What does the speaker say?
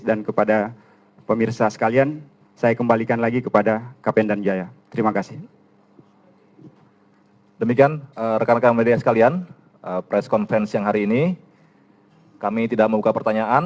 dan kepada pemirsa sekalian saya kembalikan lagi kepada kapten damjaya